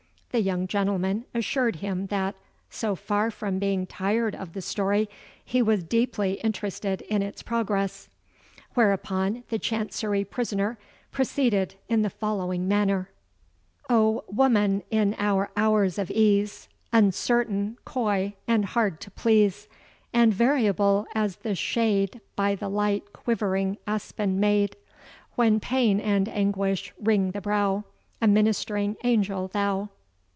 The young gentleman assured him that, so far from being tired of the story, he was deeply interested in its progress; whereupon the Chancery prisoner proceeded in the following manner. Footnote 50: O woman in our hours of ease, Uncertain, coy, and hard to please, And variable as the shade By the light quivering aspen made;— When pain and anguish wring the brow, A ministering angel thou!